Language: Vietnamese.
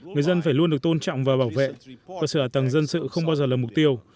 người dân phải luôn được tôn trọng và bảo vệ cơ sở ả tầng dân sự không bao giờ là mục tiêu